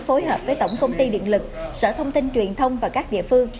phối hợp với tổng công ty điện lực sở thông tin truyền thông và các địa phương